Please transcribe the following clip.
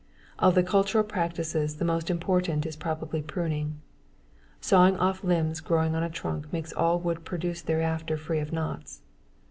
Of the cultural practices, the most important is probably pruning. Sawing off the limbs growing on the trunk makes all wood produced thereafter free of knots.